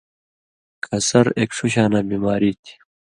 کھسر ایک ݜُو شاناں بیماری تھی